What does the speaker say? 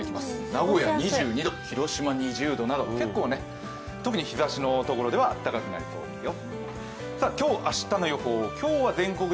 名古屋、２２度、広島２０度など特に東のところではあったかくなりそうですよ。